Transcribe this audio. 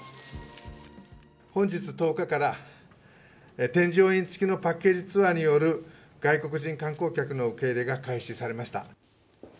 本日１０日から添乗員付きのパッケージツアーによる外国人観光客の受け入れが開始されました。